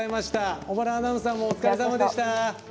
小原アナウンサーもお疲れさまでした。